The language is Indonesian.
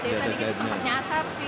jadi tadi kita sempat nyasar sih